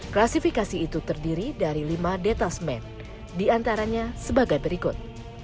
klasifikasi itu terdiri dari lima detasmen diantaranya sebagai berikut